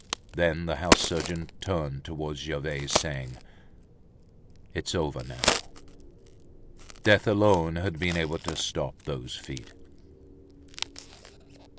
Then the house surgeon turned towards Gervaise, saying: "It's over now." Death alone had been able to stop those feet.